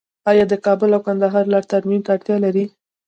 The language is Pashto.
آیا د کابل او کندهار لاره ترمیم ته اړتیا لري؟